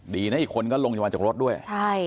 ดีนะอีกคนก็ลงจะมาจากรถด้วยใช่